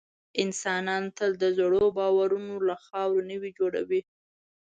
انسانان تل د زړو باورونو له خاورو نوي جوړوي.